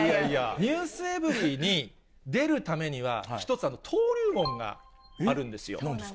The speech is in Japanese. ｎｅｗｓｅｖｅｒｙ．に出るためには、１つ、登竜門があるんでなんですか？